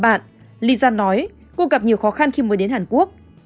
trong chương trình thanh xuân có bạn lisa nói cô gặp nhiều khó khăn khi mới đến hàn quốc